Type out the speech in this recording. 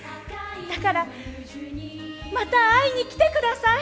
だからまた会いに来て下さい。